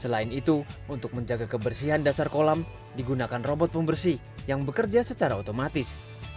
selain itu untuk menjaga kebersihan dasar kolam digunakan robot pembersih yang bekerja secara otomatis